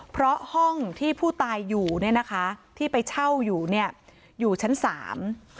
เพราะห้องที่ผู้ตายอยู่เนี่ยนะคะที่ไปเช่าอยู่เนี่ยอยู่ชั้นสาม